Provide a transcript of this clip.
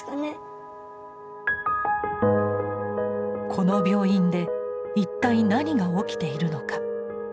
この病院で一体何が起きているのか。